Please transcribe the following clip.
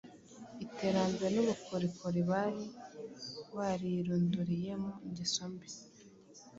iterambere n’ubukorikori bari barirunduriye mu ngeso mbi